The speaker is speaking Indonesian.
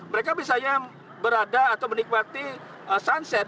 mereka misalnya berada atau menikmati sunset